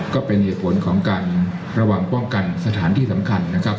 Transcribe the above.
ก็เป็นเหตุผลของการระวังป้องกันสถานที่สำคัญนะครับ